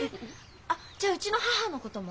あっじゃあうちの母のことも？